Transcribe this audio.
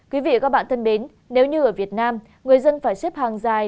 quý vị và các bạn thân mến nếu như ở việt nam người dân phải xếp hàng dài